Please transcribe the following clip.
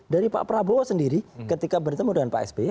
dari pak prabowo sendiri ketika bertemu dengan pak sby